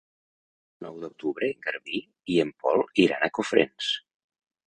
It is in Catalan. El nou d'octubre en Garbí i en Pol iran a Cofrents.